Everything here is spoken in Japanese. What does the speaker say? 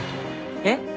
えっ？